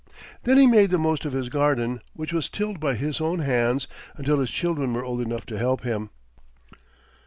Then he made the most of his garden, which was tilled by his own hands, until his children were old enough to help him.